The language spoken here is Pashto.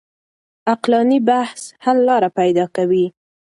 عقلاني بحث حل لاره پيدا کوي.